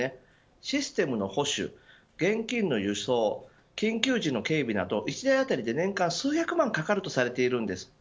システムの保守現金の輸送緊急時の警備など１年当たり年間数百万かかるとされています。